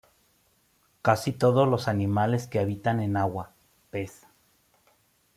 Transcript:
Casi todos los animales que habitan en agua:pez.